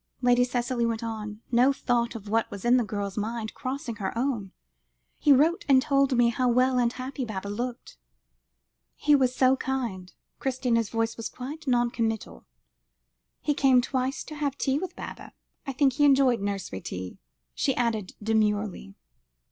Lady Cicely went on, no thought of what was in the girl's mind crossing her own; "he wrote and told me how well and happy Baba looked." "He was so kind." Christina's voice was quite non committal. "He came twice to have tea with Baba I think he enjoyed nursery tea," she added demurely.